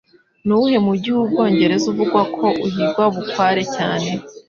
Nuwuhe mujyi mubwongereza uvugwa ko uhigwa bukware cyane